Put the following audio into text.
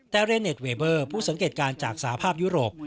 แต่เรเน็ตเวเบอร์ผู้สังเกตการณ์จากสาภาพยุโรป